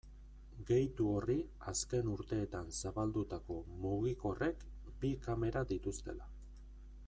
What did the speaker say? Gehitu horri azken urteetan zabaldutako mugikorrek bi kamera dituztela.